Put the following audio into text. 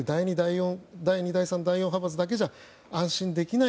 第２、第３、第４派閥だけじゃ安心できない